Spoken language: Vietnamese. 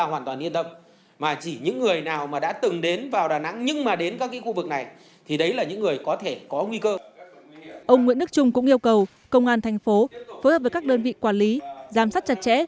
ông nguyễn đức trung cũng yêu cầu công an thành phố phối hợp với các đơn vị quản lý giám sát chặt chẽ